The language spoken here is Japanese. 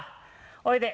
おいで。